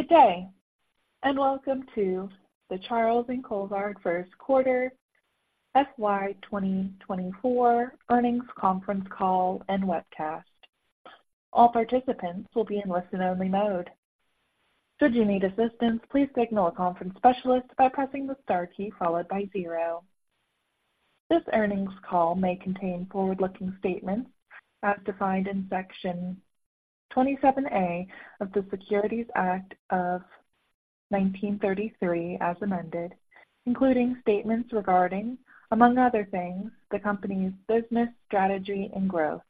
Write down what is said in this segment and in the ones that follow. Good day, and welcome to the Charles & Colvard Q1 FY 2024 earnings conference call and webcast. All participants will be in listen-only mode. Should you need assistance, please signal a conference specialist by pressing the star key followed by zero. This earnings call may contain forward-looking statements as defined in Section 27A of the Securities Act of 1933 as amended, including statements regarding, among other things, the company's business, strategy and growth.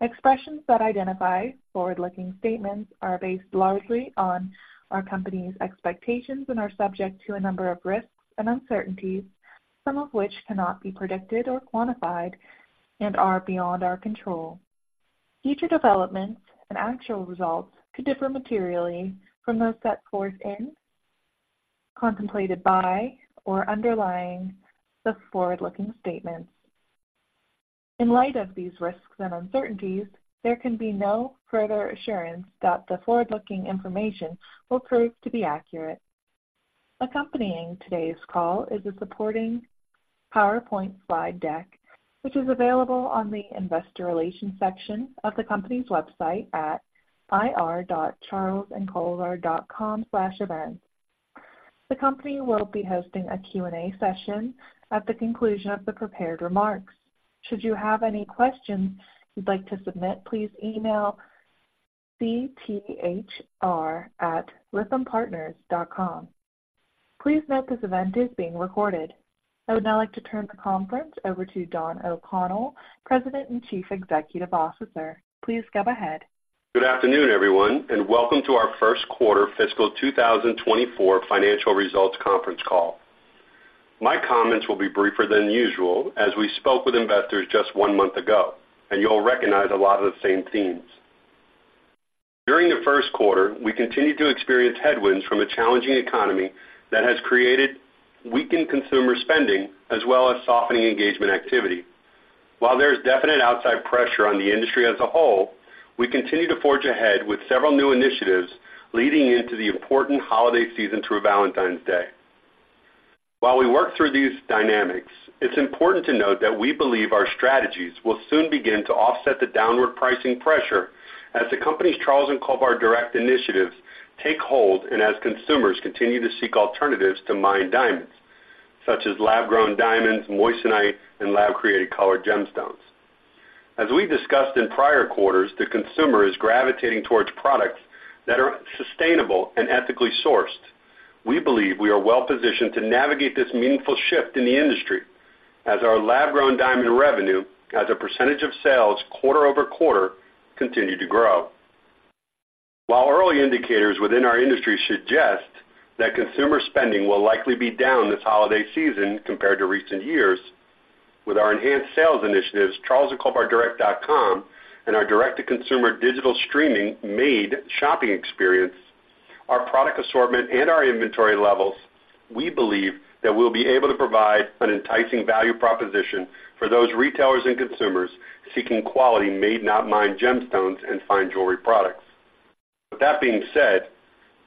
Expressions that identify forward-looking statements are based largely on our company's expectations and are subject to a number of risks and uncertainties, some of which cannot be predicted or quantified and are beyond our control. Future developments and actual results could differ materially from those set forth in, contemplated by, or underlying the forward-looking statements. In light of these risks and uncertainties, there can be no further assurance that the forward-looking information will prove to be accurate. Accompanying today's call is a supporting PowerPoint slide deck, which is available on the Investor Relations section of the company's website at ir.charlesandcolvard.com/events. The company will be hosting a Q&A session at the conclusion of the prepared remarks. Should you have any questions you'd like to submit, please email cthr@lythampartners.com. Please note, this event is being recorded. I would now like to turn the conference over to Don O'Connell, President and Chief Executive Officer. Please go ahead. Good afternoon, everyone, and welcome to our Q1 fiscal 2024 financial results conference call. My comments will be briefer than usual as we spoke with investors just one month ago, and you'll recognize a lot of the same themes. During the Q1, we continued to experience headwinds from a challenging economy that has created weakened consumer spending as well as softening engagement activity. While there is definite outside pressure on the industry as a whole, we continue to forge ahead with several new initiatives leading into the important holiday season through Valentine's Day. While we work through these dynamics, it's important to note that we believe our strategies will soon begin to offset the downward pricing pressure as the company's Charles & Colvard Direct initiatives take hold and as consumers continue to seek alternatives to mined Diamonds, such as lab-grown diamonds, moissanite, and lab-created colored gemstones. As we discussed in prior quarters, the consumer is gravitating towards products that are sustainable and ethically sourced. We believe we are well positioned to navigate this meaningful shift in the industry as our lab-grown Diamond revenue, as a percentage of sales quarter-over-quarter, continue to grow. While early indicators within our industry suggest that consumer spending will likely be down this holiday season compared to recent years, with our enhanced sales initiatives, charlesandcolvarddirect.com, and our direct-to-consumer digital streaming MADE Shopping experience, our product assortment and our inventory levels, we believe that we'll be able to provide an enticing value proposition for those retailers and consumers seeking quality made, not mined Gemstones and fine jewelry products. With that being said,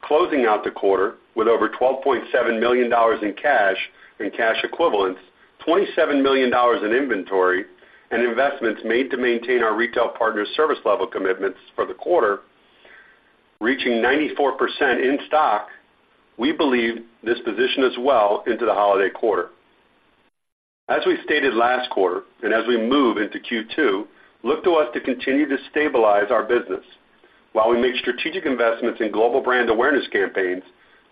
closing out the quarter with over $12.7 million in cash and cash equivalents, $27 million in inventory and investments made to maintain our retail partners service level commitments for the quarter, reaching 94% in stock, we believe this position us well into the holiday quarter. As we stated last quarter, and as we move into Q2, look to us to continue to stabilize our business while we make strategic investments in global brand awareness campaigns,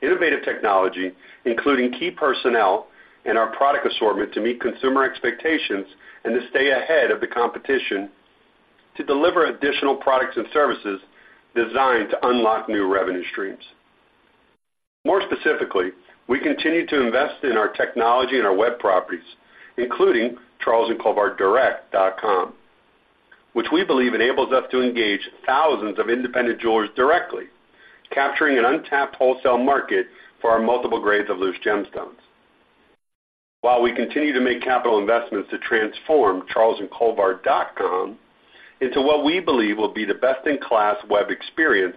innovative technology, including key personnel and our product assortment to meet consumer expectations and to stay ahead of the competition, to deliver additional products and services designed to unlock new revenue streams. More specifically, we continue to invest in our technology and our web properties, including charlesandcolvarddirect.com, which we believe enables us to engage thousands of independent jewelers directly, capturing an untapped wholesale market for our multiple grades of loose Gemstones. While we continue to make capital investments to transform charlesandcolvard.com into what we believe will be the best-in-class web experience,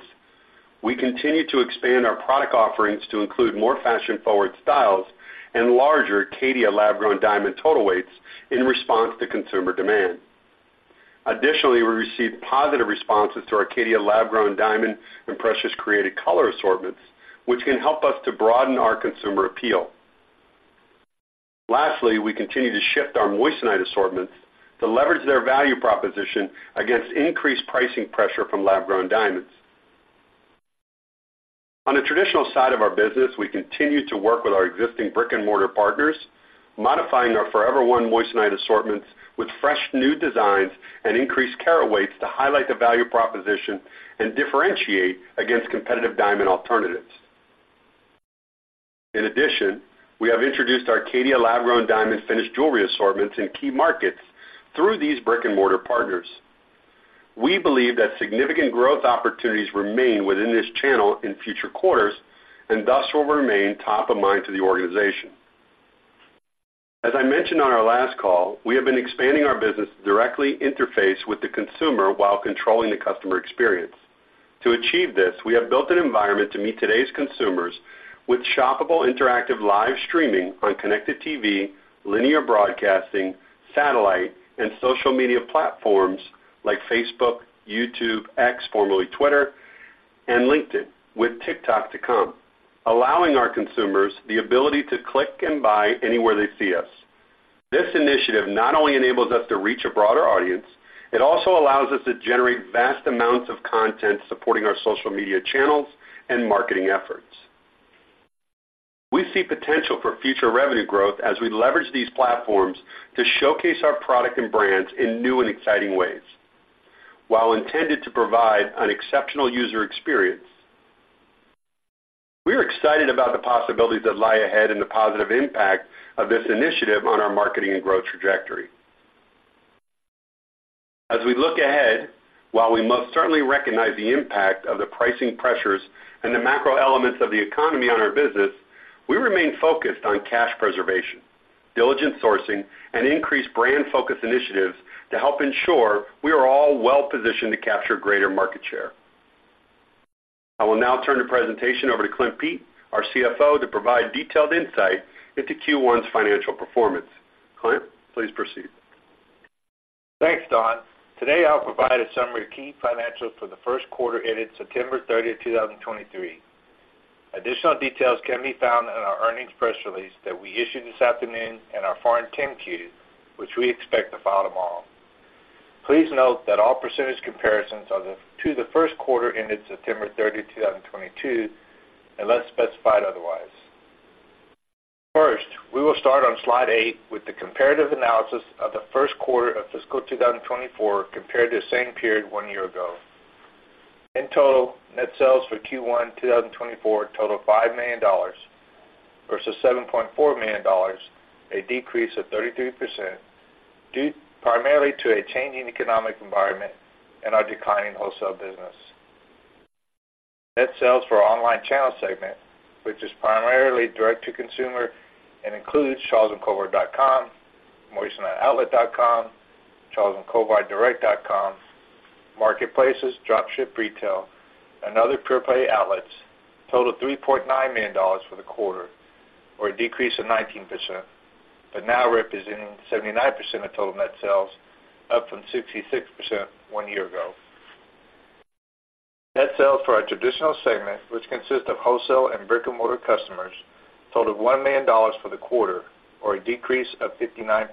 we continue to expand our product offerings to include more fashion-forward styles and larger Caydia lab-grown Diamond total weights in response to consumer demand. Additionally, we received positive responses to our Caydia lab-grown Diamond and precious created color assortments, which can help us to broaden our consumer appeal. Lastly, we continue to shift our Moissanite assortments to leverage their value proposition against increased pricing pressure from lab-grown Diamonds. On the traditional side of our business, we continue to work with our existing brick-and-mortar partners, modifying our Forever One Moissanite assortments with fresh, new designs and increased carat weights to highlight the value proposition and differentiate against competitive Diamond alternatives. In addition, we have introduced our Caydia lab-grown Diamond finished jewelry assortments in key markets through these brick-and-mortar partners. We believe that significant growth opportunities remain within this channel in future quarters and thus will remain top of mind to the organization. As I mentioned on our last call, we have been expanding our business to directly interface with the consumer while controlling the customer experience. To achieve this, we have built an environment to meet today's consumers with shoppable, interactive, live streaming on connected TV, linear broadcasting, satellite, and social media platforms like Facebook, YouTube, X, formerly Twitter, and LinkedIn, with TikTok to come, allowing our consumers the ability to click and buy anywhere they see us. This initiative not only enables us to reach a broader audience, it also allows us to generate vast amounts of content supporting our social media channels and marketing efforts. We see potential for future revenue growth as we leverage these platforms to showcase our product and brands in new and exciting ways, while intended to provide an exceptional user experience. We are excited about the possibilities that lie ahead and the positive impact of this initiative on our marketing and growth trajectory. As we look ahead, while we most certainly recognize the impact of the pricing pressures and the macro elements of the economy on our business, we remain focused on cash preservation, diligent sourcing, and increased brand-focused initiatives to help ensure we are all well positioned to capture greater market share. I will now turn the presentation over to Clint Pete, our CFO, to provide detailed insight into Q1's financial performance. Clint, please proceed. Thanks, Don. Today, I'll provide a summary of key financials for the Q1 ended September 30, 2023. Additional details can be found in our earnings press release that we issued this afternoon and our Form 10-Q, which we expect to file tomorrow. Please note that all percentage comparisons are to the Q1 ended September 30, 2022, unless specified otherwise. First, we will start on slide eight with the comparative analysis of the Q1 of fiscal 2024 compared to the same period one year ago. In total, net sales for Q1 2024 totaled $5 million versus $7.4 million, a decrease of 33%, due primarily to a changing economic environment and our declining wholesale business. Net sales for our online channel segment, which is primarily direct-to-consumer and includes CharlesandColvard.com, MoissaniteOutlet.com, CharlesandColvardDirect.com, marketplaces, drop ship, retail, and other pure-play outlets, totaled $3.9 million for the quarter, or a decrease of 19%, but now representing 79% of total net sales, up from 66% one year ago. Net sales for our traditional segment, which consists of wholesale and brick-and-mortar customers, totaled $1 million for the quarter, or a decrease of 59%,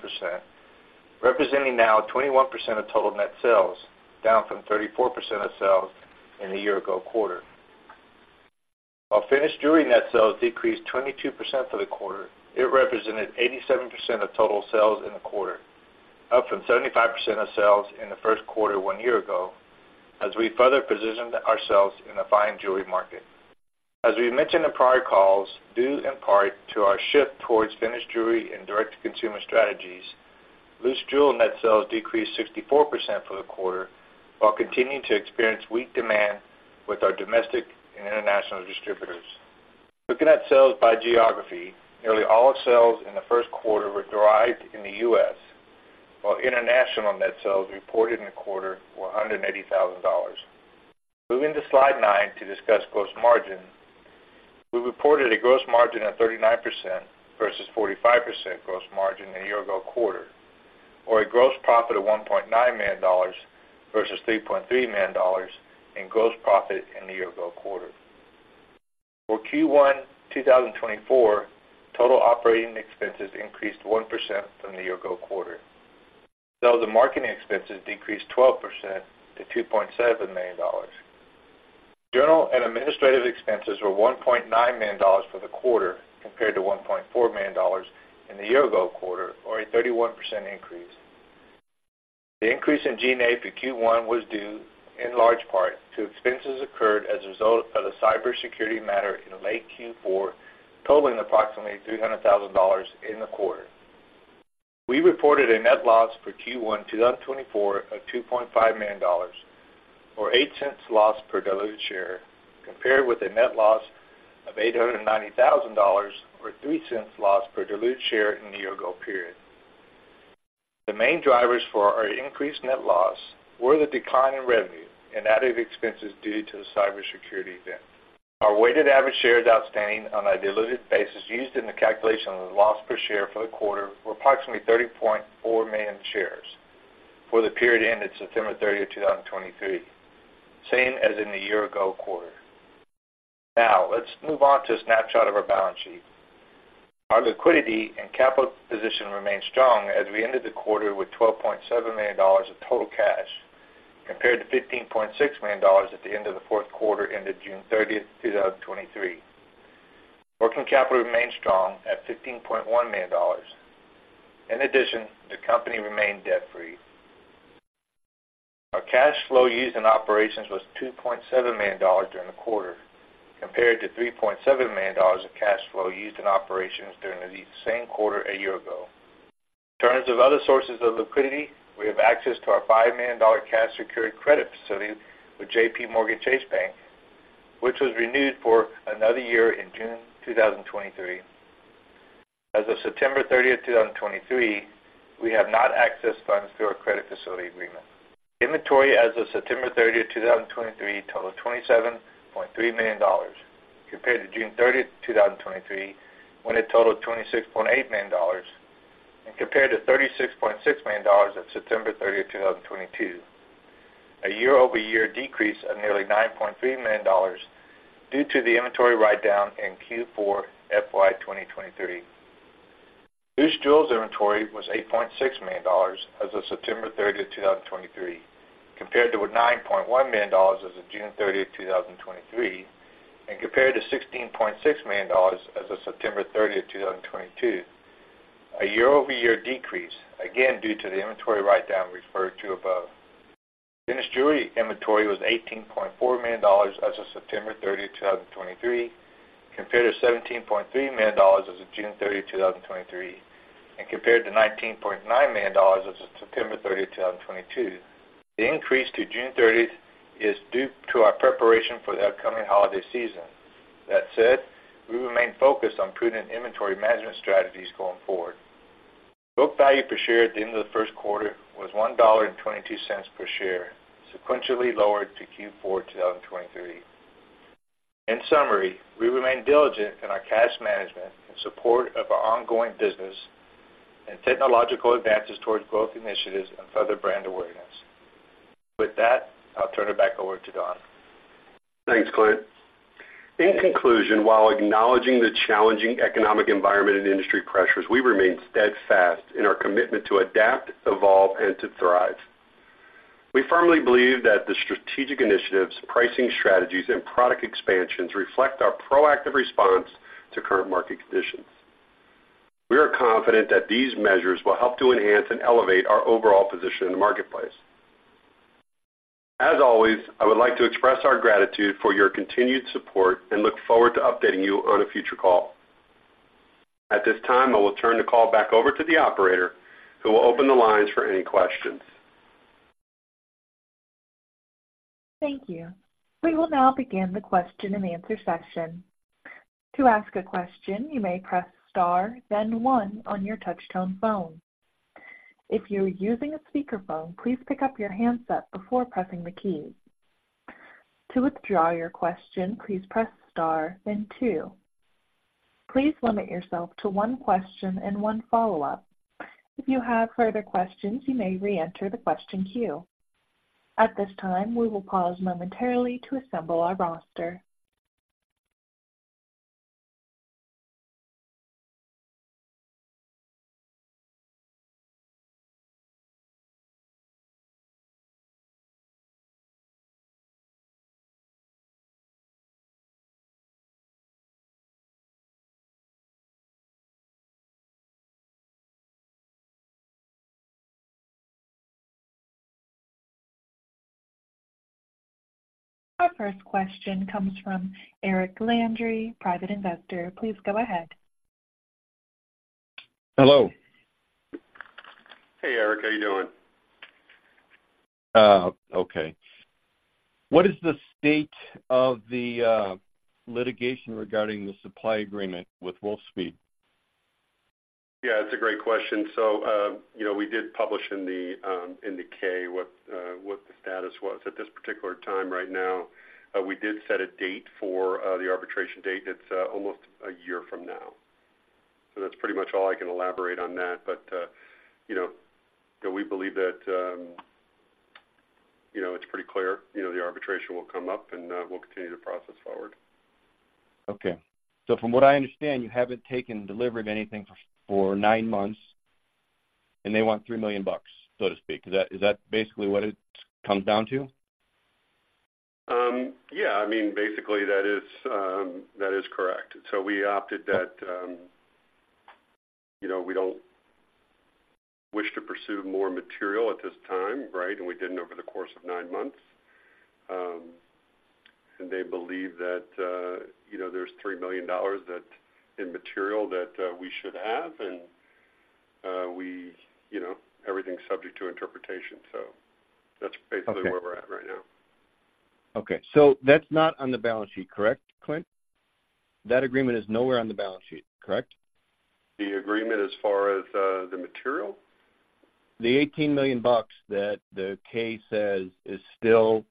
representing now 21% of total net sales, down from 34% of sales in the year-ago quarter. While finished jewelry net sales decreased 22% for the quarter, it represented 87% of total sales in the quarter, up from 75% of sales in the Q1 one year ago, as we further positioned ourselves in the fine jewelry market. As we mentioned in prior calls, due in part to our shift towards finished jewelry and direct-to-consumer strategies, loose jewel net sales decreased 64% for the quarter, while continuing to experience weak demand with our domestic and international distributors. Looking at sales by geography, nearly all sales in the Q1 were derived in the U.S., while international net sales reported in the quarter were $180,000. Moving to slide nine to discuss gross margin. We reported a gross margin of 39% versus 45% gross margin in the year-ago quarter, or a gross profit of $1.9 million versus $3.3 million in gross profit in the year-ago quarter. For Q1 2024, total operating expenses increased 1% from the year-ago quarter, though the marketing expenses decreased 12% to $2.7 million. General and administrative expenses were $1.9 million for the quarter, compared to $1.4 million in the year-ago quarter, or a 31% increase. The increase in G&A for Q1 was due in large part to expenses occurred as a result of a cybersecurity matter in late Q4, totaling approximately $300,000 in the quarter. We reported a net loss for Q1 2024 of $2.5 million, or $0.08 loss per diluted share, compared with a net loss of $890,000, or $0.03 loss per diluted share in the year-ago period. The main drivers for our increased net loss were the decline in revenue and added expenses due to the cybersecurity event. Our weighted average shares outstanding on a diluted basis used in the calculation of the loss per share for the quarter were approximately 30.4 million shares for the period ended September 30, 2023, same as in the year-ago quarter. Now, let's move on to a snapshot of our balance sheet. Our liquidity and capital position remained strong as we ended the quarter with $12.7 million of total cash, compared to $15.6 million at the end of the Q4, ended June 30, 2023. Working capital remained strong at $15.1 million. In addition, the company remained debt-free. Our cash flow used in operations was $2.7 million during the quarter, compared to $3.7 million of cash flow used in operations during the same quarter a year ago. In terms of other sources of liquidity, we have access to our $5 million cash-secured credit facility with JPMorgan Chase Bank, which was renewed for another year in June 2023. As of September 30, 2023, we have not accessed funds through our credit facility agreement. Inventory as of September 30, 2023, totaled $27.3 million, compared to June 30, 2023, when it totaled $26.8 million, and compared to $36.6 million at September 30, 2022. A year-over-year decrease of nearly $9.3 million due to the inventory write-down in Q4, FY 2023. Loose jewels inventory was $8.6 million as of September 30, 2023, compared to $9.1 million as of June 30, 2023, and compared to $16.6 million as of September 30, 2022. A year-over-year decrease, again, due to the inventory write-down referred to above. Finished jewelry inventory was $18.4 million as of September 30, 2023, compared to $17.3 million as of June 30, 2023, and compared to $19.9 million as of September 30, 2022. The increase to June 30 is due to our preparation for the upcoming holiday season. That said, we remain focused on prudent inventory management strategies going forward. Book value per share at the end of the Q1 was $1.22 per share, sequentially lowered to Q4 2023. In summary, we remain diligent in our cash management in support of our ongoing business and technological advances towards growth initiatives and further brand awareness. With that, I'll turn it back over to Don. Thanks, Clint. In conclusion, while acknowledging the challenging economic environment and industry pressures, we remain steadfast in our commitment to adapt, evolve, and to thrive. We firmly believe that the strategic initiatives, pricing strategies, and product expansions reflect our proactive response to current market conditions. We are confident that these measures will help to enhance and elevate our overall position in the marketplace. As always, I would like to express our gratitude for your continued support and look forward to updating you on a future call. At this time, I will turn the call back over to the operator, who will open the lines for any questions. Thank you. We will now begin the question and answer session. To ask a question, you may press star, then one on your touchtone phone. If you're using a speakerphone, please pick up your handset before pressing the key. To withdraw your question, please press star then two. Please limit yourself to one question and one follow-up. If you have further questions, you may reenter the question queue. At this time, we will pause momentarily to assemble our roster. Our first question comes from Eric Landry, private investor. Please go ahead. Hello. Hey, Eric. How are you doing? Okay. What is the state of the litigation regarding the supply agreement with Wolfspeed? Yeah, it's a great question. So, you know, we did publish in the, in the K, what, what the status was. At this particular time right now, we did set a date for, the arbitration date. It's almost a year from now. So that's pretty much all I can elaborate on that, but you know, we believe that, you know, it's pretty clear, you know, the arbitration will come up, and we'll continue the process forward. Okay. So from what I understand, you haven't taken delivery of anything for, for nine months, and they want $3 million, so to speak. Is that, is that basically what it comes down to? Yeah, I mean, basically, that is correct. So we opted that, you know, we don't wish to pursue more material at this time, right? And we didn't over the course of nine months. And they believe that, you know, there's $3 million in material that we should have, and we, you know, everything's subject to interpretation, so that's basically where we're at right now. Okay. So that's not on the balance sheet, correct, Clint? That agreement is nowhere on the balance sheet, correct? The agreement as far as the material? The $18 million that the K says is still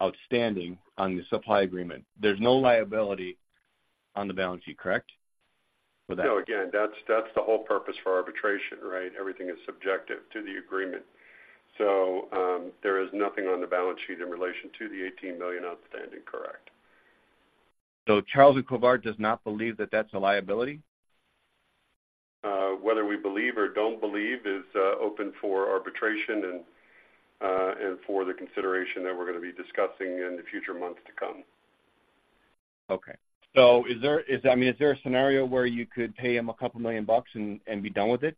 outstanding on the supply agreement. There's no liability on the balance sheet, correct? For that- No, again, that's, that's the whole purpose for arbitration, right? Everything is subject to the agreement. So, there is nothing on the balance sheet in relation to the $18 million outstanding, correct? So Charles & Colvard does not believe that that's a liability? Whether we believe or don't believe is open for arbitration and for the consideration that we're gonna be discussing in the future months to come. Okay. So is there, I mean, is there a scenario where you could pay him $2 million and, and be done with it?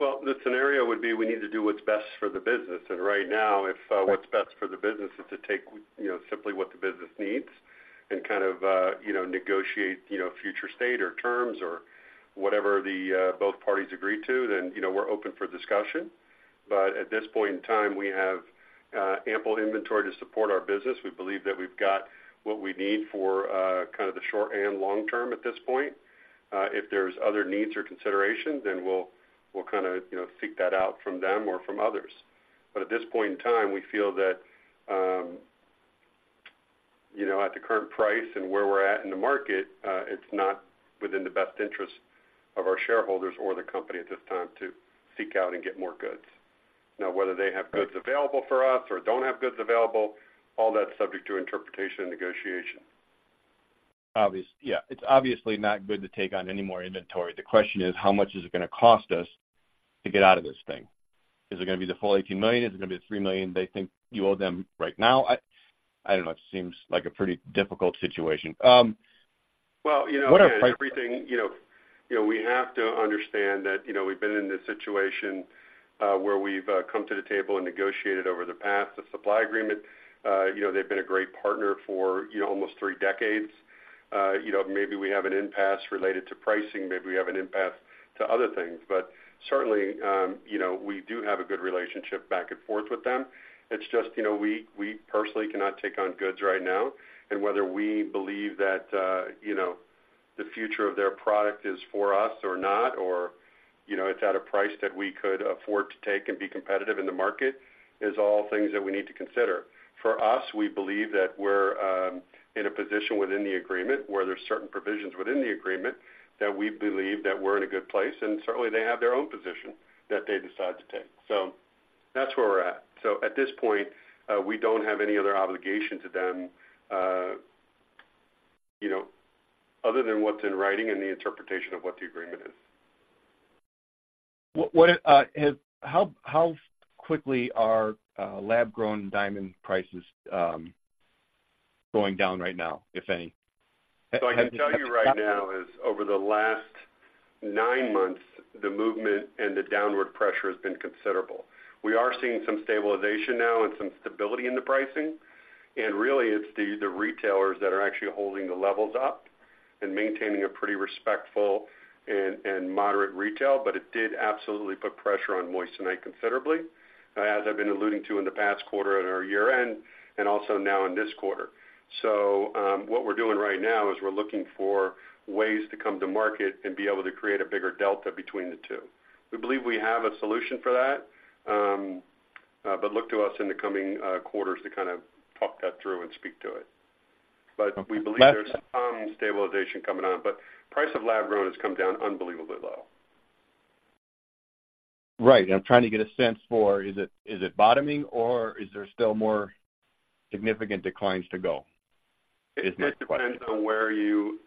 Well, the scenario would be we need to do what's best for the business, and right now, if what's best for the business is to take, you know, simply what the business needs and kind of, you know, negotiate, you know, future state or terms or whatever the both parties agree to, then, you know, we're open for discussion. But at this point in time, we have ample inventory to support our business. We believe that we've got what we need for kind of the short and long term at this point. If there's other needs or considerations, then we'll kind of, you know, seek that out from them or from others. But at this point in time, we feel that, you know, at the current price and where we're at in the market, it's not within the best interest of our shareholders or the company at this time to seek out and get more goods. Now, whether they have goods available for us or don't have goods available, all that's subject to interpretation and negotiation. Yeah, it's obviously not good to take on any more inventory. The question is, how much is it going to cost us to get out of this thing? Is it going to be the full $18 million? Is it going to be the $3 million they think you owe them right now? I, I don't know. It seems like a pretty difficult situation. Well, you know, Everything, you know, you know, we have to understand that, you know, we've been in this situation, where we've come to the table and negotiated over the past, the supply agreement. You know, they've been a great partner for, you know, almost three decades. You know, maybe we have an impasse related to pricing, maybe we have an impasse to other things. But certainly, you know, we do have a good relationship back and forth with them. It's just, you know, we personally cannot take on goods right now, and whether we believe that, you know, the future of their product is for us or not, or, you know, it's at a price that we could afford to take and be competitive in the market, is all things that we need to consider. For us, we believe that we're in a position within the agreement where there's certain provisions within the agreement that we believe that we're in a good place, and certainly, they have their own position that they decide to take. So that's where we're at. So at this point, we don't have any other obligation to them, you know, other than what's in writing and the interpretation of what the agreement is. How quickly are lab-grown Diamond prices going down right now, if any? So I can tell you right now is over the last nine months, the movement and the downward pressure has been considerable. We are seeing some stabilization now and some stability in the pricing, and really, it's the retailers that are actually holding the levels up and maintaining a pretty respectful and moderate retail, but it did absolutely put pressure on Moissanite considerably, as I've been alluding to in the past quarter at our year-end and also now in this quarter. So, what we're doing right now is we're looking for ways to come to market and be able to create a bigger delta between the two. We believe we have a solution for that, but look to us in the coming quarters to kind of talk that through and speak to it. We believe there's some stabilization coming on, but price of lab-grown has come down unbelievably low. Right. I'm trying to get a sense for, is it, is it bottoming or is there still more significant declines to go? It depends on where you,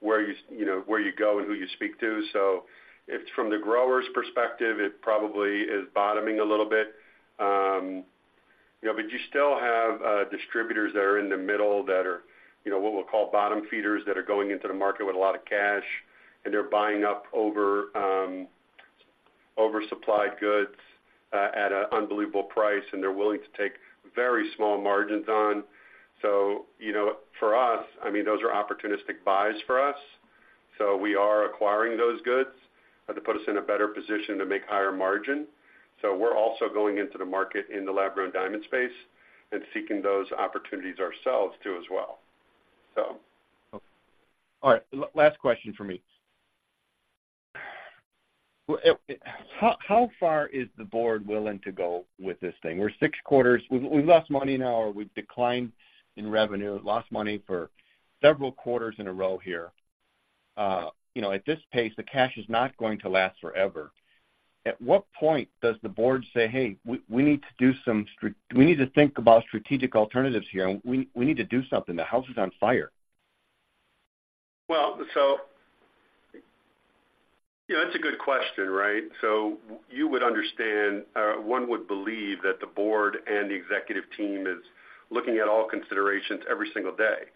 where you you know where you go and who you speak to. So if from the grower's perspective, it probably is bottoming a little bit. You know, but you still have distributors that are in the middle that are, you know, what we'll call bottom feeders, that are going into the market with a lot of cash, and they're buying up oversupplied goods at an unbelievable price, and they're willing to take very small margins on. So, you know, for us, I mean, those are opportunistic buys for us. So we are acquiring those goods to put us in a better position to make higher margin. So we're also going into the market in the lab-grown Diamond space and seeking those opportunities ourselves, too, as well, so. All right, last question for me. Well, how, how far is the board willing to go with this thing? We're six quarters. We've, we've lost money now, or we've declined in revenue, lost money for several quarters in a row here. You know, at this pace, the cash is not going to last forever. At what point does the board say, "Hey, we, we need to do some, we need to think about strategic alternatives here, and we, we need to do something. The house is on fire? Well, so, you know, that's a good question, right? So you would understand, one would believe that the board and the executive team is looking at all considerations every single day.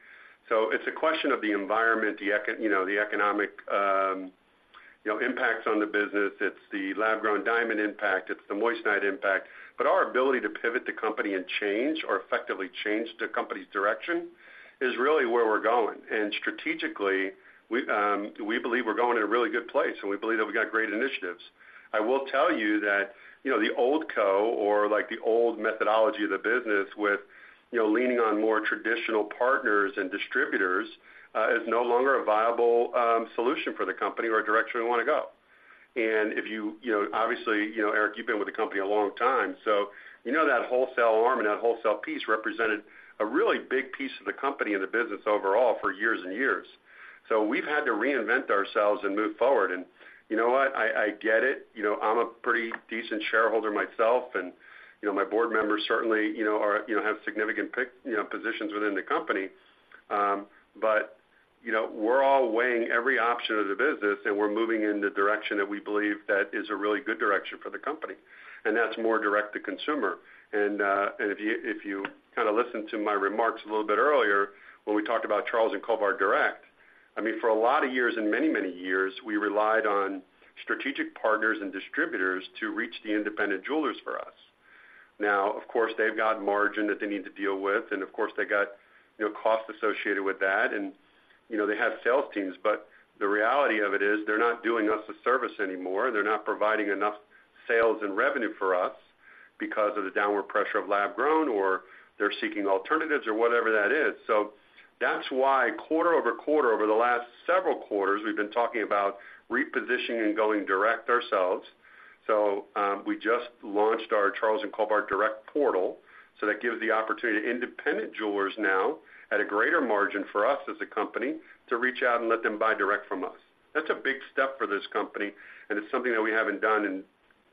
So it's a question of the environment, you know, the economic, you know, impacts on the business. It's the lab-grown Diamond impact, it's the Moissanite impact. But our ability to pivot the company and change or effectively change the company's direction is really where we're going. And strategically, we believe we're going in a really good place, and we believe that we've got great initiatives. I will tell you that, you know, the old, like, the old methodology of the business with, you know, leaning on more traditional partners and distributors, is no longer a viable, solution for the company or a direction we want to go. And if you, you know, obviously, you know, Eric, you've been with the company a long time, so you know that wholesale arm and that wholesale piece represented a really big piece of the company and the business overall for years and years. So we've had to reinvent ourselves and move forward. And you know what? I get it. You know, I'm a pretty decent shareholder myself, and, you know, my board members certainly, you know, are, you know, have significant you know, positions within the company. But, you know, we're all weighing every option of the business, and we're moving in the direction that we believe that is a really good direction for the company and that's more direct to consumer. If you kind of listened to my remarks a little bit earlier when we talked about Charles & Colvard Direct, I mean, for a lot of years, and many, many years, we relied on strategic partners and distributors to reach the independent jewelers for us. Now, of course, they've got margin that they need to deal with, and of course, they got, you know, costs associated with that, and, you know, they have sales teams. But the reality of it is they're not doing us a service anymore. They're not providing enough sales and revenue for us because of the downward pressure of lab-grown, or they're seeking alternatives or whatever that is. So that's why quarter-over-quarter, over the last several quarters, we've been talking about repositioning and going direct ourselves. So, we just launched our Charles & Colvard Direct portal, so that gives the opportunity to independent jewelers now, at a greater margin for us as a company, to reach out and let them buy direct from us. That's a big step for this company, and it's something that we haven't done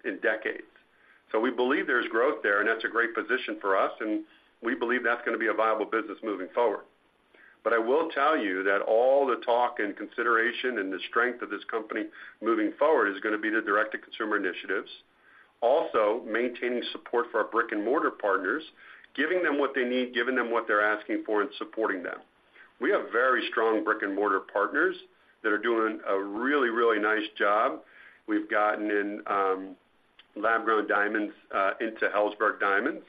in decades. So we believe there's growth there, and that's a great position for us, and we believe that's gonna be a viable business moving forward. But I will tell you that all the talk and consideration and the strength of this company moving forward is gonna be the direct-to-consumer initiatives. Also, maintaining support for our brick-and-mortar partners, giving them what they need, giving them what they're asking for and supporting them. We have very strong brick-and-mortar partners that are doing a really, really nice job. We've gotten in lab-grown Diamonds into Helzberg Diamonds,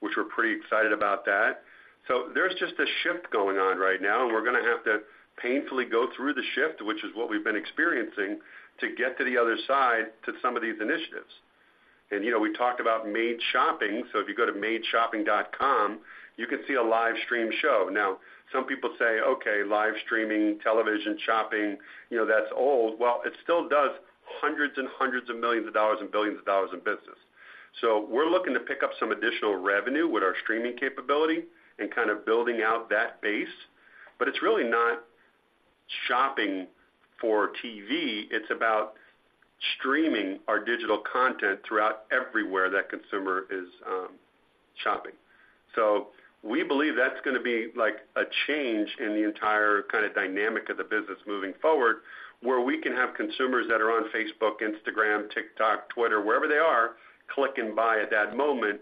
which we're pretty excited about that. So there's just a shift going on right now, and we're gonna have to painfully go through the shift, which is what we've been experiencing, to get to the other side to some of these initiatives. And, you know, we talked about MADE Shopping. So if you go to madeshopping.com, you can see a live stream show. Now, some people say, "Okay, live streaming, television shopping, you know, that's old." Well, it still does hundreds and hundreds of millions of dollars and billions of dollars in business. So we're looking to pick up some additional revenue with our streaming capability and kind of building out that base. But it's really not shopping for TV, it's about streaming our digital content throughout everywhere that consumer is shopping. So we believe that's gonna be like a change in the entire kind of dynamic of the business moving forward, where we can have consumers that are on Facebook, Instagram, TikTok, Twitter, wherever they are, click and buy at that moment,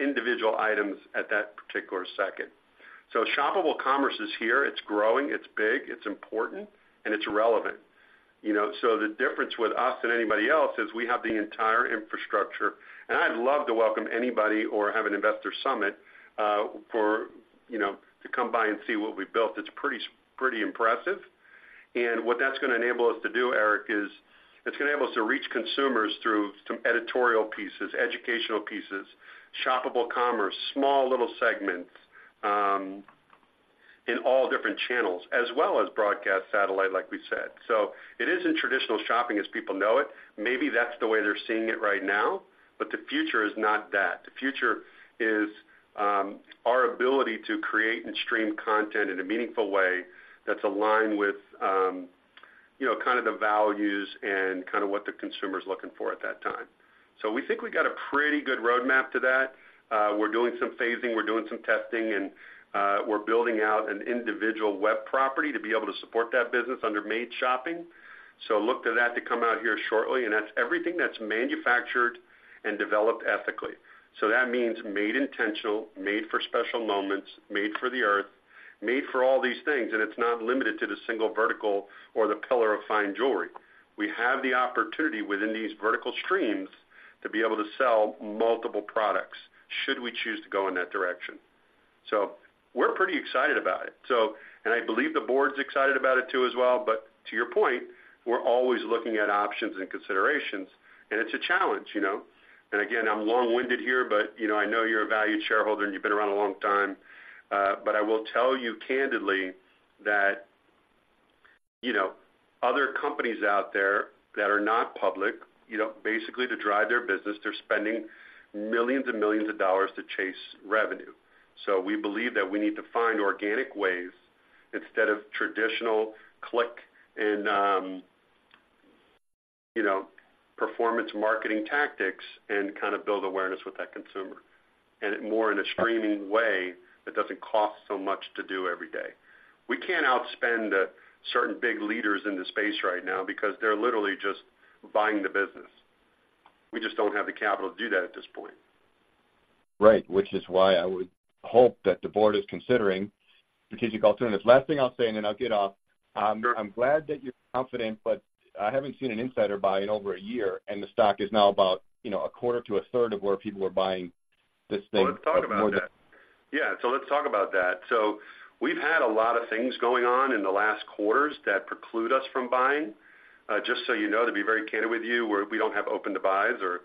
individual items at that particular second. So shoppable commerce is here. It's growing, it's big, it's important, and it's relevant. You know, so the difference with us and anybody else is we have the entire infrastructure, and I'd love to welcome anybody or have an investor summit, for, you know, to come by and see what we've built. It's pretty, pretty impressive. And what that's gonna enable us to do, Eric, is it's gonna enable us to reach consumers through some editorial pieces, educational pieces, shoppable commerce, small little segments, in all different channels, as well as broadcast satellite, like we said. So it isn't traditional shopping as people know it. Maybe that's the way they're seeing it right now, but the future is not that. The future is our ability to create and stream content in a meaningful way that's aligned with, you know, kind of the values and kind of what the consumer is looking for at that time. So we think we got a pretty good roadmap to that. We're doing some phasing, we're doing some testing, and we're building out an individual web property to be able to support that business under MADE Shopping. So look to that to come out here shortly, and that's everything that's manufactured and developed ethically. So that means made intentional, made for special moments, made for the Earth, made for all these things, and it's not limited to the single vertical or the pillar of fine jewelry. We have the opportunity within these vertical streams to be able to sell multiple products should we choose to go in that direction. So we're pretty excited about it. And I believe the board's excited about it, too, as well. But to your point, we're always looking at options and considerations, and it's a challenge, you know? And again, I'm long-winded here, but, you know, I know you're a valued shareholder and you've been around a long time. But I will tell you candidly that, you know, other companies out there that are not public, you know, basically to drive their business, they're spending millions and millions of dollars to chase revenue. So we believe that we need to find organic ways instead of traditional click and, you know, performance marketing tactics and kind of build awareness with that consumer, and more in a streaming way that doesn't cost so much to do every day. We can't outspend certain big leaders in the space right now because they're literally just buying the business. We just don't have the capital to do that at this point. Right, which is why I would hope that the board is considering strategic alternatives. Last thing I'll say, and then I'll get off. Sure. I'm glad that you're confident, but I haven't seen an insider buy in over a year, and the stock is now about, you know, a quarter to a third of where people were buying this thing. Well, let's talk about that. Yeah, so let's talk about that. So we've had a lot of things going on in the last quarters that preclude us from buying. Just so you know, to be very candid with you, we're, we don't have open-to-buys or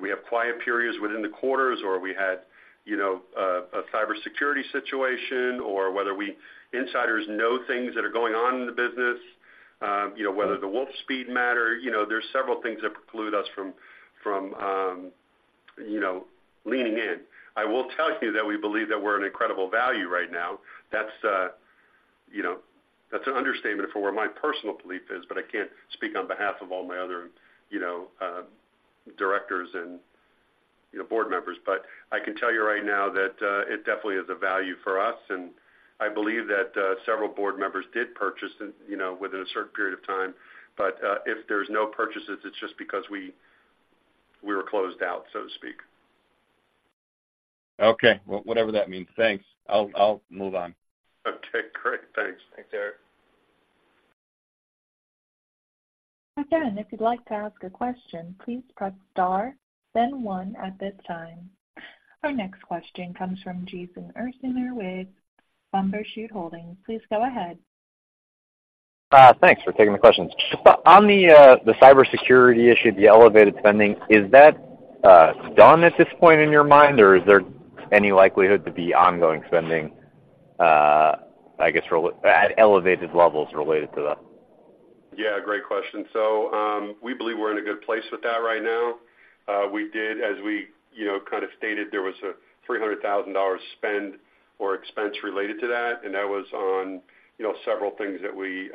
we have quiet periods within the quarters, or we had, you know, a cybersecurity situation, or whether we, insiders know things that are going on in the business, you know, whether the Wolfspeed matter. You know, there's several things that preclude us from, you know, leaning in. I will tell you that we believe that we're an incredible value right now. That's, you know, that's an understatement for where my personal belief is, but I can't speak on behalf of all my other, you know, directors and you know, board members. But I can tell you right now that, it definitely is a value for us, and I believe that, several board members did purchase, you know, within a certain period of time. But, if there's no purchases, it's just because we, we were closed out, so to speak. Okay. Well, whatever that means. Thanks. I'll move on. Okay, great. Thanks. Thanks, Eric. Again, if you'd like to ask a question, please press Star, then one at this time. Our next question comes from Jason Ursaner with Bumbershoot Holdings. Please go ahead. Thanks for taking the questions. So on the cybersecurity issue, the elevated spending, is that done at this point in your mind, or is there any likelihood to be ongoing spending, I guess, at elevated levels related to that? Yeah, great question. So, we believe we're in a good place with that right now. We did, as we, you know, kind of stated, there was a $300,000 spend or expense related to that, and that was on, you know, several things that we,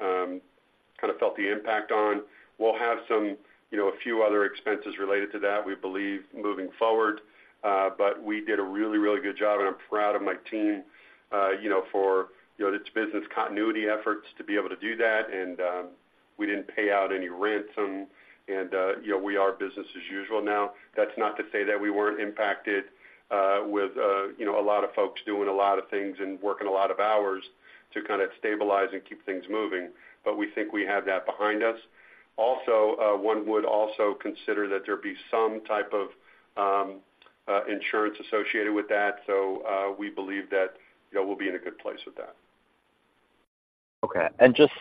kind of felt the impact on. We'll have some, you know, a few other expenses related to that, we believe, moving forward. But we did a really, really good job, and I'm proud of my team, you know, for, you know, its business continuity efforts to be able to do that, and, we didn't pay out any ransom and, you know, we are business as usual now. That's not to say that we weren't impacted with, you know, a lot of folks doing a lot of things and working a lot of hours to kind of stabilize and keep things moving, but we think we have that behind us. Also, one would also consider that there be some type of insurance associated with that. So, we believe that, you know, we'll be in a good place with that. Okay. And just,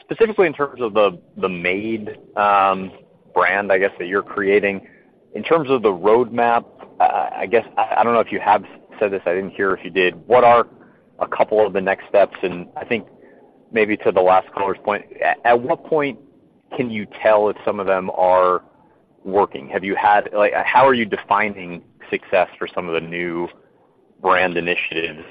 specifically in terms of the Made brand, I guess, that you're creating, in terms of the roadmap, I guess, I don't know if you have said this. I didn't hear if you did. What are a couple of the next steps? And I think maybe to the last caller's point, at what point can you tell if some of them are working? Have you had, like, how are you defining success for some of the new brand initiatives,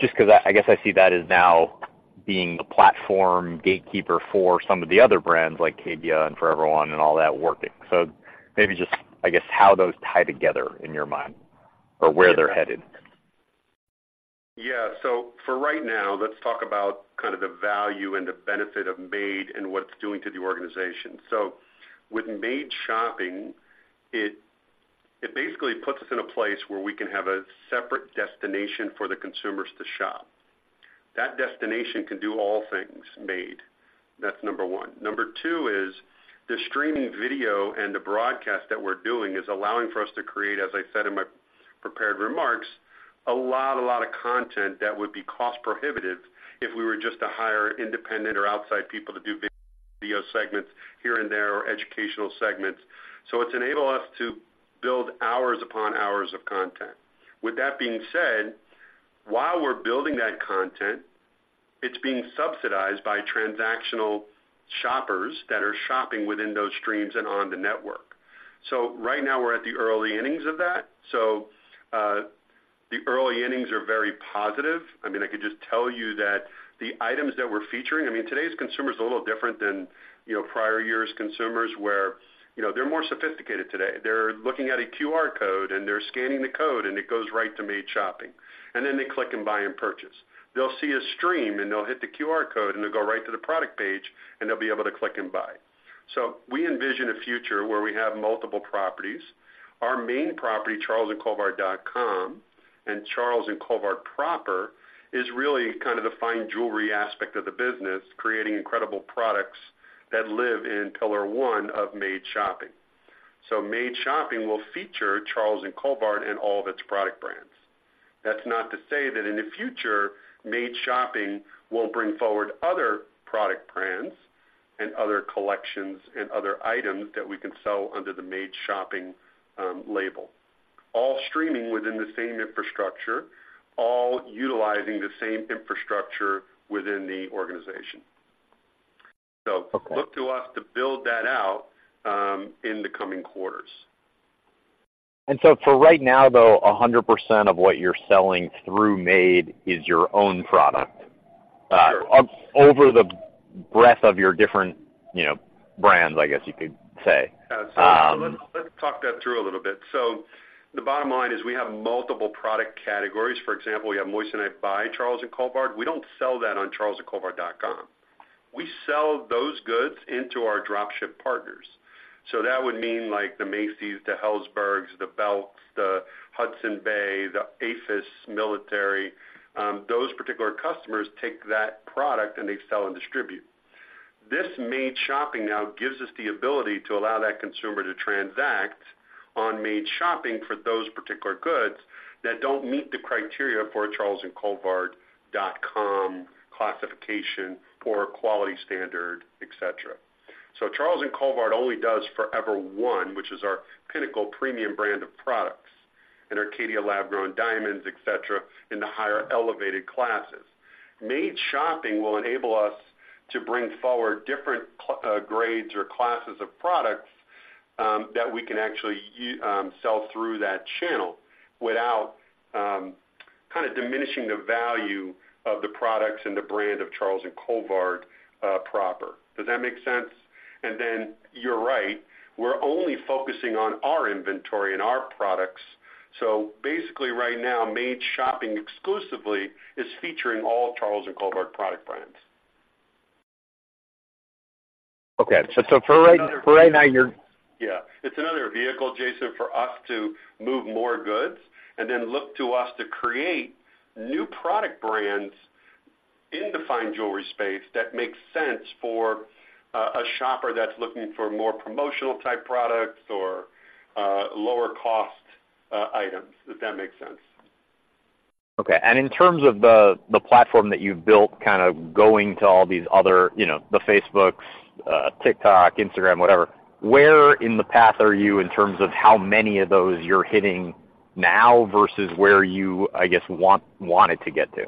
just because I guess I see that as now being the platform gatekeeper for some of the other brands like Caydia and Forever One and all that working. So maybe just, I guess, how those tie together in your mind or where they're headed? Yeah. So for right now, let's talk about kind of the value and the benefit of MADE and what it's doing to the organization. So with MADE Shopping, it basically puts us in a place where we can have a separate destination for the consumers to shop. That destination can do all things MADE. That's number one. Number two is the streaming video and the broadcast that we're doing is allowing for us to create, as I said in my prepared remarks, a lot, a lot of content that would be cost prohibitive if we were just to hire independent or outside people to do video segments here and there, or educational segments. So it's enabled us to build hours upon hours of content. With that being said, while we're building that content, it's being subsidized by transactional shoppers that are shopping within those streams and on the network. So right now, we're at the early innings of that. So, the early innings are very positive. I mean, I could just tell you that the items that we're featuring, I mean, today's consumer is a little different than, you know, prior years' consumers, where, you know, they're more sophisticated today. They're looking at a QR code, and they're scanning the code, and it goes right to MADE Shopping, and then they click and buy and purchase. They'll see a stream, and they'll hit the QR code, and they'll go right to the product page, and they'll be able to click and buy. So we envision a future where we have multiple properties. Our main property, charlesandcolvard.com, and Charles & Colvard proper, is really kind of the fine jewelry aspect of the business, creating incredible products that live in pillar one of MADE Shopping. MADE Shopping will feature Charles & Colvard and all of its product brands. That's not to say that in the future, MADE Shopping won't bring forward other product brands and other collections and other items that we can sell under the MADE Shopping label. All streaming within the same infrastructure, all utilizing the same infrastructure within the organization. Okay. Look to us to build that out, in the coming quarters. And so for right now, though, 100% of what you're selling through Made is your own product? Over the breadth of your different, you know, brands, I guess you could say. Yeah. So let's, let's talk that through a little bit. So the bottom line is we have multiple product categories. For example, we have Moissanite by Charles & Colvard. We don't sell that on charlesandcolvard.com. We sell those goods into our drop ship partners. So that would mean like the Macy's, the Helzberg's, the Belks, the Hudson's Bay, the AAFES, military, those particular customers take that product, and they sell and distribute. This MADE Shopping now gives us the ability to allow that consumer to transact on MADE Shopping for those particular goods that don't meet the criteria for a charlesandcolvard.com classification or quality standard, et cetera. So Charles & Colvard only does Forever One, which is our pinnacle premium brand of products, and Caydia lab-grown Diamonds, et cetera, in the higher elevated classes. MADE Shopping will enable us to bring forward different grades or classes of products, that we can actually sell through that channel without kind of diminishing the value of the products and the brand of Charles & Colvard, proper. Does that make sense? And then you're right, we're only focusing on our inventory and our products. So basically right now, MADE Shopping exclusively is featuring all Charles & Colvard product brands. Okay. So for right now, you're- Yeah, it's another vehicle, Jason, for us to move more goods and then look to us to create new product brands in the fine jewelry space that makes sense for a shopper that's looking for more promotional type products or lower cost items, if that makes sense. Okay. And in terms of the platform that you've built, kind of going to all these other, you know, the Facebooks, TikTok, Instagram, whatever, where in the path are you in terms of how many of those you're hitting now versus where you, I guess, wanted to get to?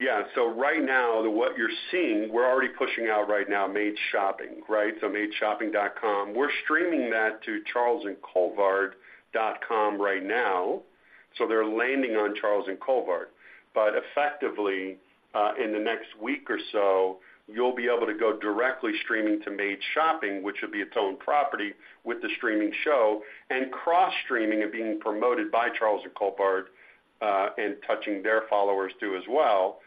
Yeah. So right now, what you're seeing, we're already pushing out right now, MADE Shopping, right? So madeshopping.com. We're streaming that to charlesandcolvard.com right now, so they're landing on Charles & Colvard. But effectively, in the next week or so, you'll be able to go directly streaming to MADE Shopping, which will be its own property, with the streaming show and cross-streaming and being promoted by Charles & Colvard, and touching their followers too, as well.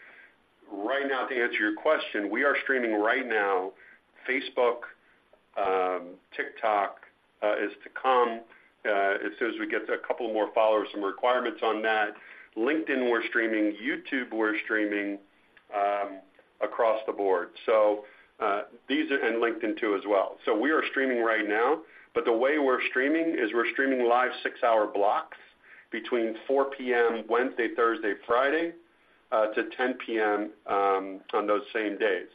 Right now, to answer your question, we are streaming right now, Facebook, TikTok, is to come, as soon as we get a couple more followers, some requirements on that. LinkedIn, we're streaming, YouTube, we're streaming, across the board. So, these are and LinkedIn, too, as well. So we are streaming right now, but the way we're streaming is we're streaming live six hour blocks between 4:00 P.M. Wednesday, Thursday, Friday to 10:00 P.M. on those same days.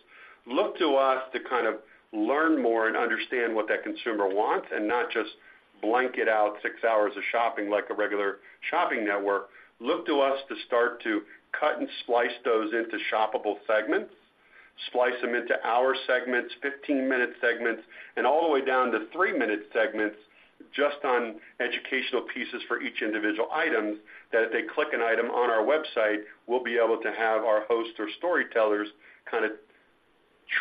Look to us to kind of learn more and understand what that consumer wants, and not just blanket out six hours of shopping like a regular shopping network. Look to us to start to cut and slice those into shoppable segments, slice them into hour segments, 15-minute segments, and all the way down to three minute segments, just on educational pieces for each individual item, that if they click an item on our website, we'll be able to have our host or storytellers kind of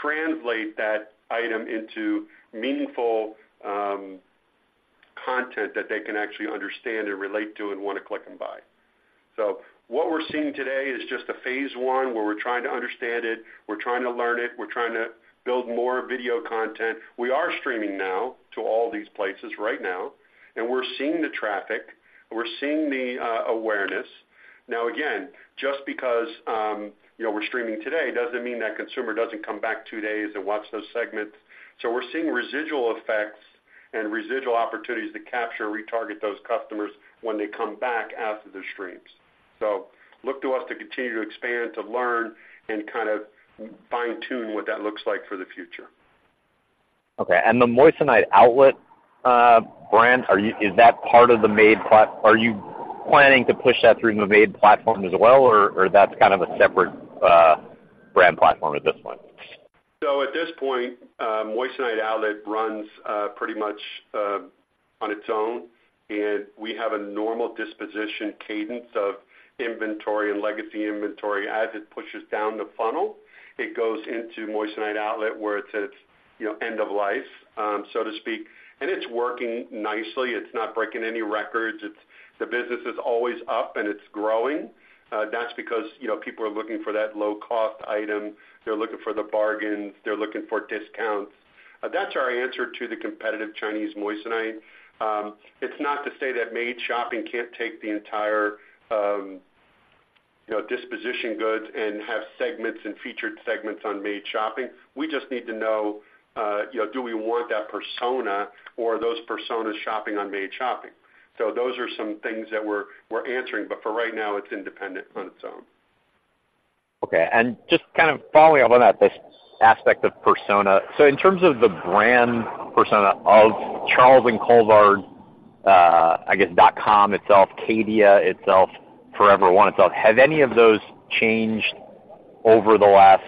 translate that item into meaningful content that they can actually understand and relate to and want to click and buy. So what we're seeing today is just a phase I, where we're trying to understand it, we're trying to learn it, we're trying to build more video content. We are streaming now to all these places right now, and we're seeing the traffic, we're seeing the awareness. Now, again, just because, you know, we're streaming today, doesn't mean that consumer doesn't come back two days and watch those segments. So we're seeing residual effects and residual opportunities to capture and retarget those customers when they come back after the streams. So look to us to continue to expand, to learn, and kind of fine-tune what that looks like for the future. Okay, and the Moissanite Outlet brand, is that part of the MADE platform? Are you planning to push that through the MADE platform as well, or that's kind of a separate brand platform at this point? So at this point, Moissanite Outlet runs, pretty much, on its own, and we have a normal disposition cadence of inventory and legacy inventory. As it pushes down the funnel, it goes into Moissanite Outlet, where it's at its, you know, end of life, so to speak. And it's working nicely. It's not breaking any records. It's the business is always up, and it's growing. That's because, you know, people are looking for that low-cost item. They're looking for the bargains. They're looking for discounts. That's our answer to the competitive Chinese Moissanite. It's not to say that MADE Shopping can't take the entire, you know, disposition goods and have segments and featured segments on MADE Shopping. We just need to know, you know, do we want that persona or those personas shopping on MADE Shopping? Those are some things that we're answering, but for right now, it's independent on its own. Okay. And just kind of following up on that, this aspect of persona. So in terms of the brand persona of Charles & Colvard, I guess, dot com itself, Caydia itself, Forever One itself, have any of those changed over the last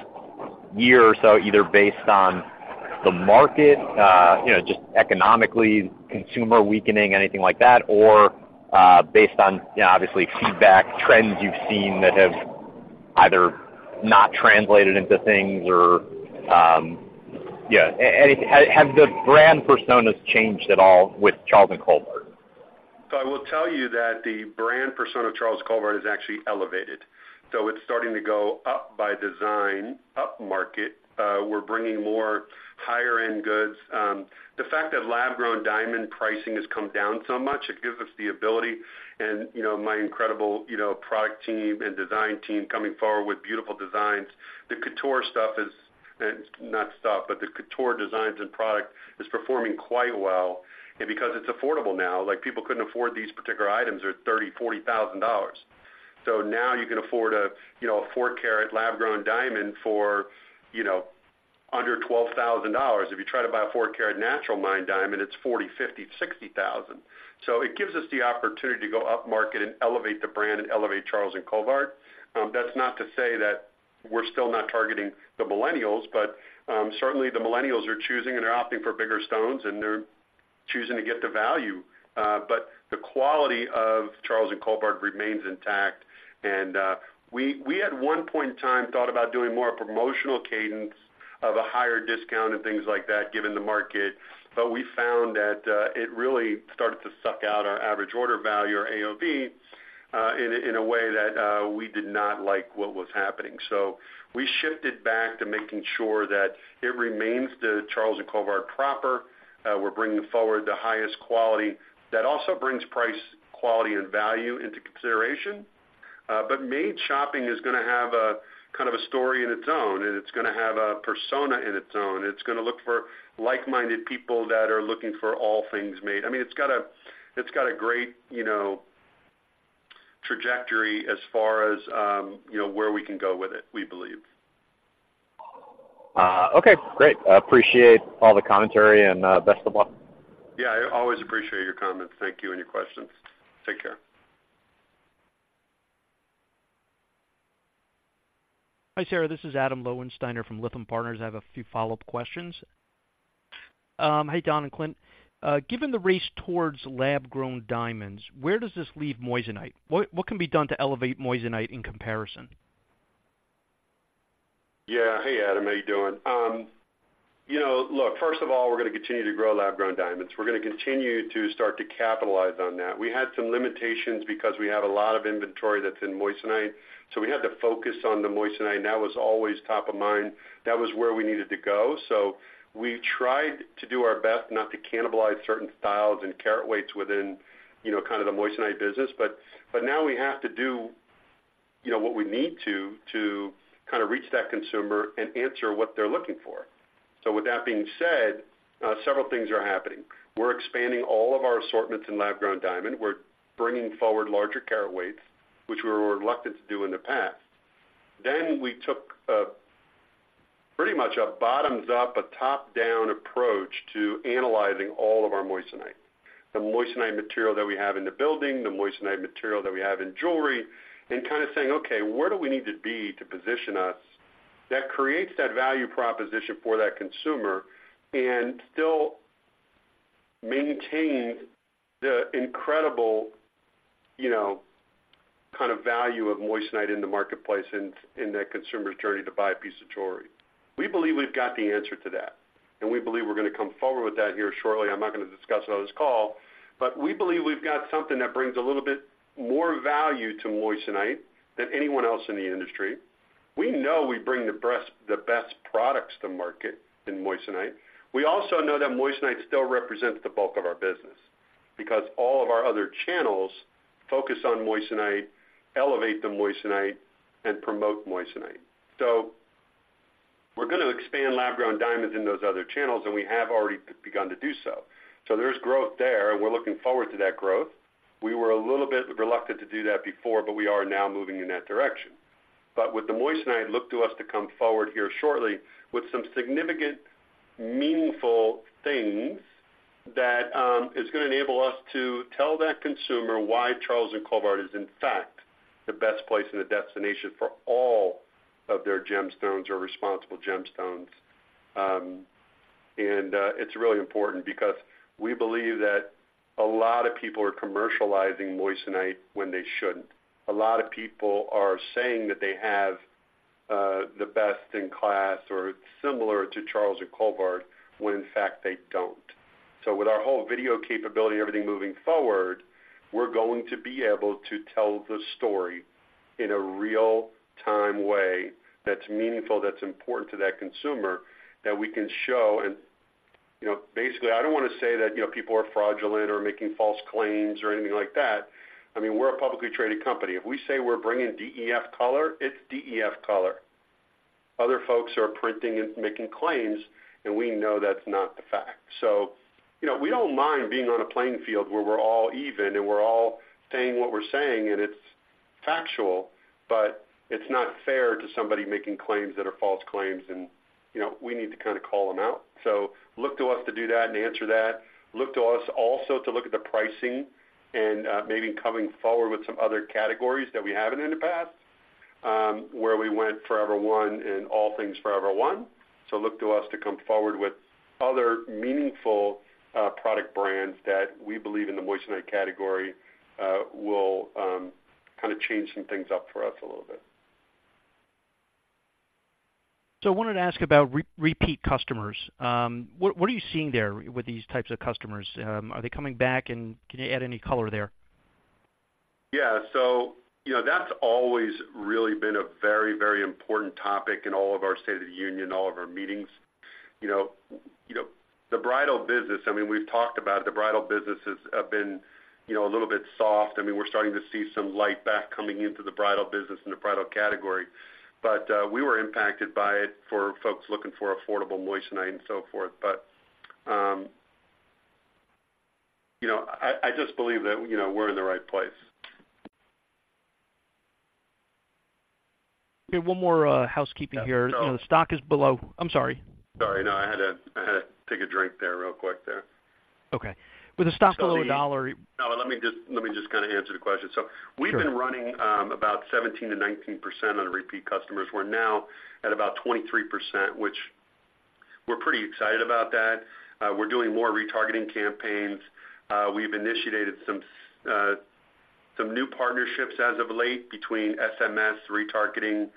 year or so, either based on the market, you know, just economically, consumer weakening, anything like that, or, based on, you know, obviously, feedback, trends you've seen that have either not translated into things or, yeah, have the brand personas changed at all with Charles & Colvard? I will tell you that the brand persona of Charles & Colvard is actually elevated. It's starting to go up by design, upmarket. We're bringing more higher-end goods. The fact that lab-grown Diamond pricing has come down so much, it gives us the ability and, you know, my incredible, you know, product team and design team coming forward with beautiful designs. The couture stuff is not stuff, but the couture designs and product is performing quite well. And because it's affordable now, like, people couldn't afford these particular items, they're $30,000-$40,000. So now you can afford a, you know, a four carat lab-grown Diamond for, you know, under $12,000. If you try to buy a four carat natural mined Diamond, it's $40,000-$50,000-$60,000. So it gives us the opportunity to go upmarket and elevate the brand and elevate Charles & Colvard. That's not to say that we're still not targeting the millennials, but certainly, the millennials are choosing and are opting for bigger stones, and they're choosing to get the value, but the quality of Charles & Colvard remains intact. And we, we at one point in time, thought about doing more promotional cadence of a higher discount and things like that, given the market, but we found that it really started to suck out our average order value, or AOV, in a way that we did not like what was happening. So we shifted back to making sure that it remains the Charles & Colvard proper. We're bringing forward the highest quality that also brings price, quality, and value into consideration. But MADE Shopping is going to have a kind of a story in its own, and it's going to have a persona in its own. It's going to look for like-minded people that are looking for all things MADE. I mean, it's got a, it's got a great, you know, trajectory as far as, you know, where we can go with it, we believe. Okay, great. I appreciate all the contrary and best of luck. Yeah, I always appreciate your comments. Thank you, and your questions. Take care. Hi, Sarah, this is Adam Lowenstein from Lytham Partners. I have a few follow-up questions. Hey, Don and Clint. Given the race towards lab-grown Diamonds, where does this leave Moissanite? What can be done to elevate Moissanite in comparison? Yeah. Hey, Adam, how you doing? You know, look, first of all, we're going to continue to grow lab-grown Diamonds. We're going to continue to start to capitalize on that. We had some limitations because we have a lot of inventory that's in Moissanite, so we had to focus on the Moissanite, and that was always top of mind. That was where we needed to go. So we tried to do our best not to cannibalize certain styles and carat weights within, you know, kind of the Moissanite business, but, but now we have to do, you know, what we need to, to kind of reach that consumer and answer what they're looking for. So with that being said, several things are happening. We're expanding all of our assortments in lab-grown Diamond. We're bringing forward larger carat weights, which we were reluctant to do in the past. Then we took pretty much a bottoms-up, a top-down approach to analyzing all of our Moissanite. The Moissanite material that we have in the building, the Moissanite material that we have in jewelry, and kind of saying, "Okay, where do we need to be to position us that creates that value proposition for that consumer, and still maintain the incredible, you know, kind of value of Moissanite in the marketplace and in that consumer's journey to buy a piece of jewelry?" We believe we've got the answer to that, and we believe we're going to come forward with that here shortly. I'm not going to discuss it on this call, but we believe we've got something that brings a little bit more value to Moissanite than anyone else in the industry. We know we bring the best products to market in Moissanite. We also know that Moissanite still represents the bulk of our business, because all of our other channels focus on Moissanite, elevate the Moissanite, and promote Moissanite. So we're going to expand lab-grown Diamonds in those other channels, and we have already begun to do so. So there's growth there, and we're looking forward to that growth. We were a little bit reluctant to do that before, but we are now moving in that direction. But with the Moissanite, look to us to come forward here shortly with some significant, meaningful things that is going to enable us to tell that consumer why Charles & Colvard is, in fact, the best place and the destination for all of their Gemstones or responsible Gemstones. And it's really important because we believe that a lot of people are commercializing Moissanite when they shouldn't. A lot of people are saying that they have the best in class or similar to Charles & Colvard, when in fact, they don't. So with our whole video capability and everything moving forward, we're going to be able to tell the story in a real-time way that's meaningful, that's important to that consumer, that we can show. And, you know, basically, I don't want to say that, you know, people are fraudulent or making false claims or anything like that. I mean, we're a publicly traded company. If we say we're bringing DEF color, it's DEF color. Other folks are printing and making claims, and we know that's not the fact. So, you know, we don't mind being on a playing field where we're all even and we're all saying what we're saying, and it's factual, but it's not fair to somebody making claims that are false claims and, you know, we need to kind of call them out. So look to us to do that and answer that. Look to us also to look at the pricing and maybe coming forward with some other categories that we haven't in the past, where we went Forever One and all things Forever One. So look to us to come forward with other meaningful product brands that we believe in the Moissanite category will kind of change some things up for us a little bit. I wanted to ask about repeat customers. What are you seeing there with these types of customers? Are they coming back, and can you add any color there? Yeah. So, you know, that's always really been a very, very important topic in all of our State of the Union, all of our meetings. You know, you know, the bridal business, I mean, we've talked about the bridal business has been, you know, a little bit soft. I mean, we're starting to see some light back coming into the bridal business and the bridal category, but we were impacted by it for folks looking for affordable Moissanite and so forth. But, you know, I just believe that, you know, we're in the right place. Okay, one more housekeeping here. The stock is below. I'm sorry. Sorry. No, I had to, I had to take a drink there, real quick there. Okay. With the stock below $1r- No, let me just, let me just kind of answer the question. Sure. So we've been running about 17%-19% on repeat customers. We're now at about 23%, which we're pretty excited about that. We're doing more retargeting campaigns. We've initiated some new partnerships as of late between SMS, retargeting,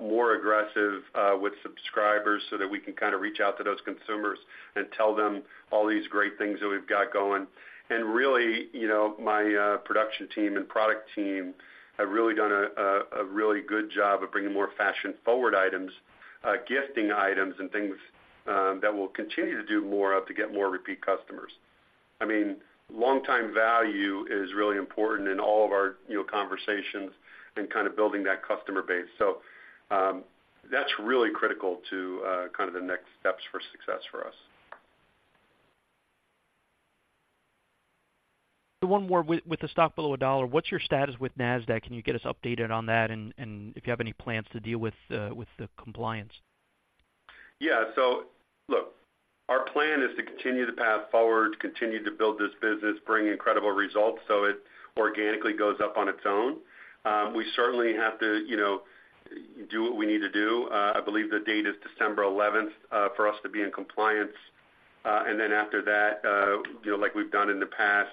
more aggressive with subscribers, so that we can kind of reach out to those consumers and tell them all these great things that we've got going. And really, you know, my production team and product team have really done a really good job of bringing more fashion-forward items, gifting items, and things that we'll continue to do more of to get more repeat customers. I mean, long time value is really important in all of our, you know, conversations and kind of building that customer base. That's really critical to kind of the next steps for success for us. So one more. With the stock below $1, what's your status with NASDAQ? Can you get us updated on that, and if you have any plans to deal with the compliance? Yeah. So look, our plan is to continue the path forward, continue to build this business, bring incredible results, so it organically goes up on its own. We certainly have to, you know, do what we need to do. I believe the date is December eleventh for us to be in compliance. And then after that, you know, like we've done in the past,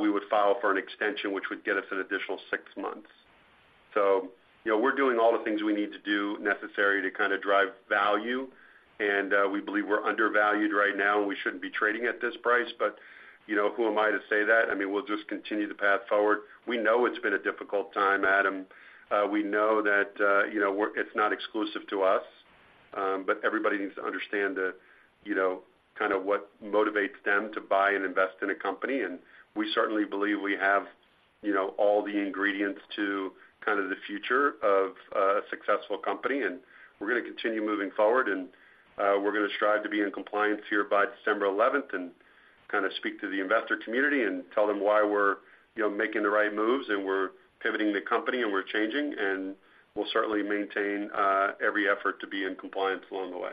we would file for an extension, which would get us an additional six months. So, you know, we're doing all the things we need to do necessary to kind of drive value, and we believe we're undervalued right now, and we shouldn't be trading at this price. But, you know, who am I to say that? I mean, we'll just continue the path forward. We know it's been a difficult time, Adam. We know that, you know, it's not exclusive to us, but everybody needs to understand the, you know, kind of what motivates them to buy and invest in a company. And we certainly believe we have, you know, all the ingredients to kind of the future of a successful company, and we're gonna continue moving forward. And we're gonna strive to be in compliance here by December eleventh and kind of speak to the investor community and tell them why we're, you know, making the right moves, and we're pivoting the company, and we're changing. And we'll certainly maintain every effort to be in compliance along the way.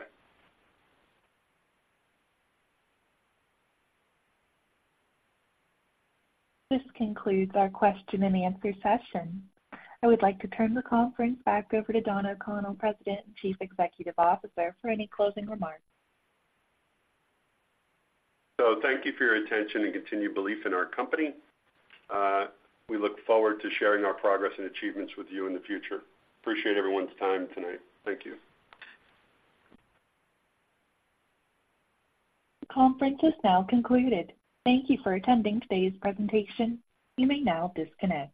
This concludes our question and answer session. I would like to turn the conference back over to Don O'Connell, President and Chief Executive Officer, for any closing remarks. Thank you for your attention and continued belief in our company. We look forward to sharing our progress and achievements with you in the future. Appreciate everyone's time tonight. Thank you. The conference is now concluded. Thank you for attending today's presentation. You may now disconnect.